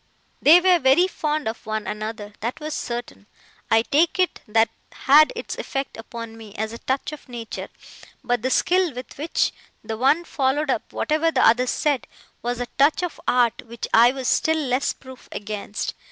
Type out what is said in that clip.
They were very fond of one another: that was certain. I take it, that had its effect upon me, as a touch of nature; but the skill with which the one followed up whatever the other said, was a touch of art which I was still less proof against.